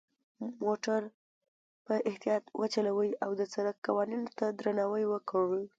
موټر په اختیاط وچلوئ، او د سرک قوانینو ته درناوی وکړئ.